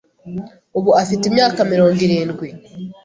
Ubu afite imyaka mirongo irindwi.